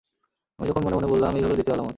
আমি তখন মনে মনে বললাম, এই হল দ্বিতীয় আলামত।